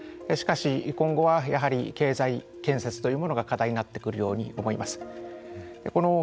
しかし、今後はやはり経済建設というものが課題になってくるように思います。